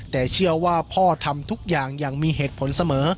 แต่เชื่อว่าพ่อทำทุกอย่างอย่างมีเหตุผลเสมอ